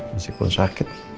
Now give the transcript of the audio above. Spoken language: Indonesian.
masih pun sakit